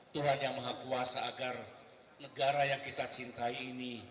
tuhan yang maha kuasa agar negara yang kita cintai ini